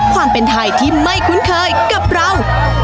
ความเป็นไทยที่ไม่คุ้นเคยกับเรา